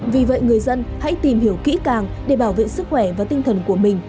vì vậy người dân hãy tìm hiểu kỹ càng để bảo vệ sức khỏe và tinh thần của mình